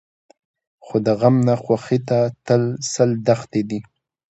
خو د غم نه خوښۍ ته سل دښتې دي.